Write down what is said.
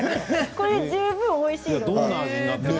これで十分おいしいので。